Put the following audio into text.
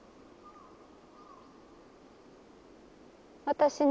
私ね。